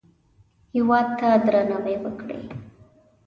هېواد ته درناوی وکړئ